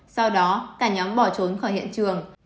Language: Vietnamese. sau đó cả nhóm bỏ trốn khỏi hiện trường